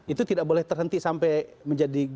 itu tidak boleh terhenti sampai menjadi